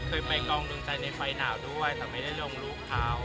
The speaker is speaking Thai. เคยไปกองดึงใจในไฟหนาวด้วยแต่ไม่ได้ลงรู้ข่าว